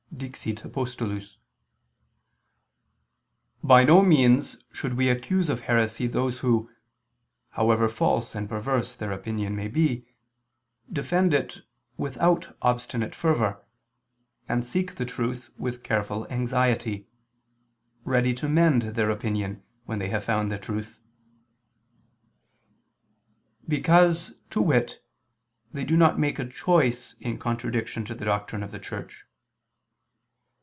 Dixit Apostolus): "By no means should we accuse of heresy those who, however false and perverse their opinion may be, defend it without obstinate fervor, and seek the truth with careful anxiety, ready to mend their opinion, when they have found the truth," because, to wit, they do not make a choice in contradiction to the doctrine of the Church.